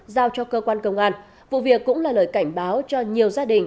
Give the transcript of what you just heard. giao cho cơ quan công an vụ việc cũng là lời cảnh báo cho nhiều gia đình